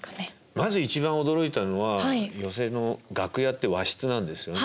まず一番驚いたのは寄席の楽屋って和室なんですよね